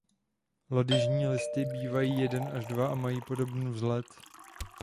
Lodyžní listy bývají jeden až dva a mají podobný vzhled.